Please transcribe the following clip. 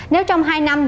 nếu trong hai năm